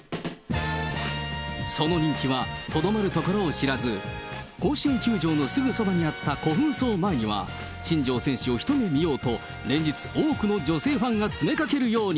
その人気はとどまるところを知らず、甲子園球場のすぐそばにあった虎風荘には新庄選手を一目見ようと、連日、多くの女性ファンが詰めかけるように。